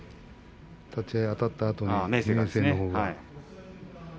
立ち合い、あたったあとに明生のほうが。